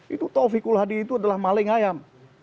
itu taufikul hadi itu adalah maling ayam